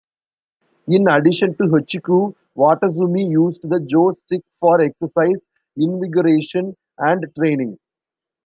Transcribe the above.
In addition to hocchiku, Watazumi used the Jo stick for exercise, invigoration, and training.